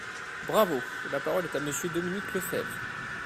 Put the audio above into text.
Bravo ! La parole est à Monsieur Dominique Lefebvre.